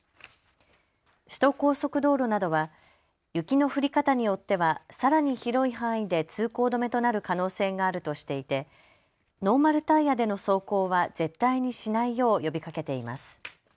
首都高速道路などは雪の降り方によっては、さらに広い範囲で通行止めとなる可能性があるとしていてノーマルタイヤでの走行は絶対にしないよう呼びかけています。